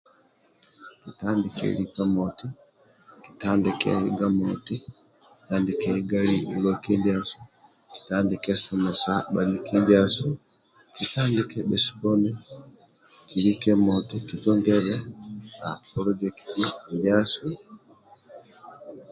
Kitandike lika moti kitandike loki ndiasu kitandike egesa bhaniki ndiasu kitandike lika moti kitungebe polojekiti ndiasu